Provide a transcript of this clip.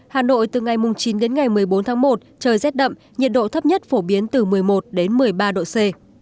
hà nội từ ngày chín đến ngày một mươi bốn tháng một trời rét đậm nhiệt độ thấp nhất phổ biến từ một mươi một đến một mươi ba độ c